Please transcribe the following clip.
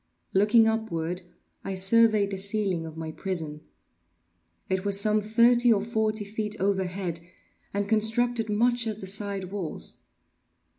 Looking upward, I surveyed the ceiling of my prison. It was some thirty or forty feet overhead, and constructed much as the side walls.